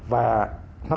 và nó sẽ